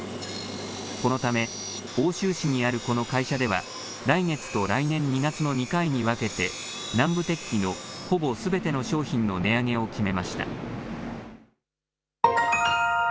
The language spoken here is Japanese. このため、奥州市にあるこの会社では、来月と来年２月の２回に分けて、南部鉄器のほぼすべての商品の値上げを決めました。